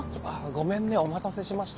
ごめんねお待たせしました。